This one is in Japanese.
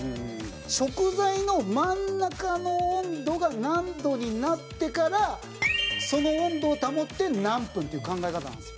食材の真ん中の温度が何度になってからその温度を保って何分っていう考え方なんですよ。